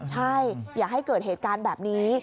ใช่อย่าให้เกิดเหตุการณ์แบบนี้